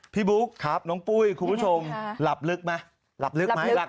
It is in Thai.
พี่บุ๊คครับน้องปุ้ยคุณผู้ชมค่ะหลับลึกไหมหลับลึกไหมหลับลึก